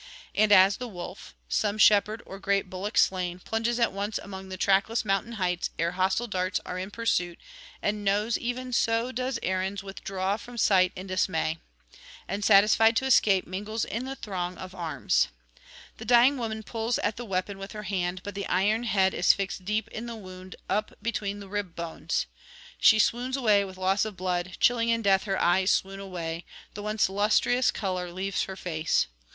And as the wolf, some shepherd or great bullock slain, plunges at once among the trackless mountain heights ere hostile darts are in pursuit, and knows how reckless he hath been, and drooping his tail lays it quivering under his belly, and seeks the woods; even so does Arruns withdraw from sight in dismay, and, satisfied to escape, mingles in the throng of arms. The dying woman pulls at the weapon with her hand; but the iron head is fixed deep in the wound up between the rib bones. She swoons away with loss of blood; chilling in death her eyes swoon away; the once lustrous colour leaves her face.